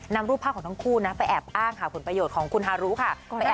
นำรูปภาพของทั้งคู่นะไปแอบอ้างหาผลประโยชน์ของคุณฮารุค่ะ